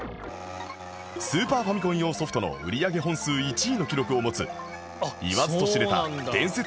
スーパーファミコン用ソフトの売上本数１位の記録を持つ言わずと知れた伝説的ゲーム